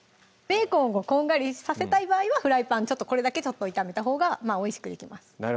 ベーコンをこんがりさせたい場合はフライパンこれだけちょっと炒めたほうがおいしくできます